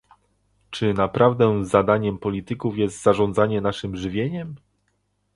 Czy naprawdę zadaniem polityków jest zarządzanie naszym żywieniem?